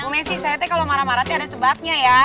eh bu messi saya teh kalau marah marah ada sebabnya ya